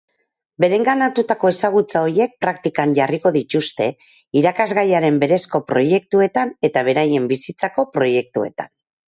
Berenganatutako ezagutza horiek, praktikan jarriko dituzte irakasgaiaren berezko proiektuetan eta beraien bizitzako proiektuetan.